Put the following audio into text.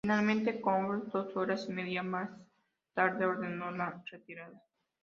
Finalmente Knowles, dos horas y medía más tarde, ordenó la retirada.